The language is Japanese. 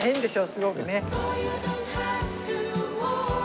すごくね。